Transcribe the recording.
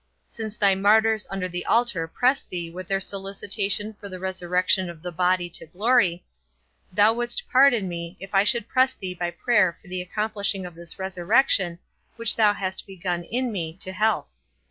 Since thy martyrs under the altar press thee with their solicitation for the resurrection of the body to glory, thou wouldst pardon me, if I should press thee by prayer for the accomplishing of this resurrection, which thou hast begun in me, to health.